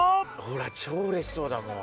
曚超うれしそうだもん。